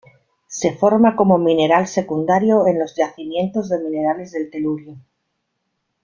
Se forma como mineral secundario en los yacimientos de minerales del telurio.